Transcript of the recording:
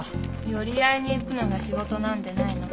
寄り合いに行くのが仕事なんでないの？